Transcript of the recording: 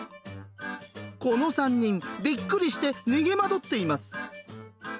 この３人びっくりして逃げ惑っています。